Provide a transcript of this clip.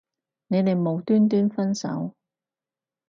你哋無端端分手